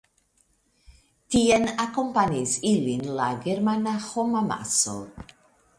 Tien akompanis ilin la germana homamaso.